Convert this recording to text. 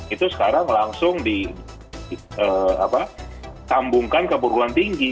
itu sekarang langsung ditambungkan ke perguruan tinggi